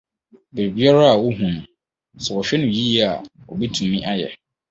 Biribiara a ohu no, sɛ ɔhwɛ no yiye a, obetumi ayɛ....